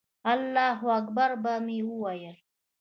الله اکبر به مې وویل.